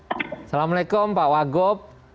assalamu'alaikum pak wagob